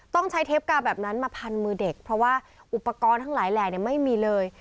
ต้องใช้เทปกาวแบบนั้นมาพันมือเด็กเพราะว่าอุปกรณ์ทั้งหลายแหล่ไม่มีเลย